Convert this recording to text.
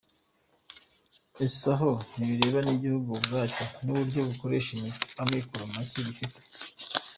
Ese aho ntibireba n’igihugu ubwacyo, mu buryo gikoresha amikoro make gifite ?